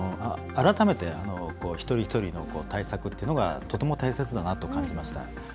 改めて、一人一人の対策っていうのがとても大切だなと感じました。